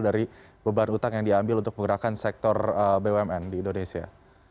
dari beban utang yang diambil untuk menggerakkan sektor bumn di indonesia